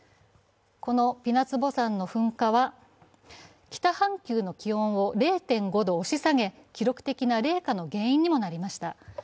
このピナツボ山の噴火は、北半球の気温を０．５度押し下げ、記録的な冷夏の原因にもなりました。